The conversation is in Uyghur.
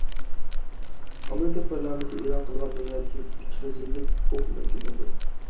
ئامېرىكا پارلامېنتى ئېلان قىلغان دۇنيادىكى ئۈچ رەزىللىك ئوق مەركىزىنىڭ بىرى.